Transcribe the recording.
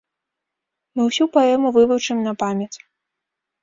Мы ўсю паэму вывучым на памяць.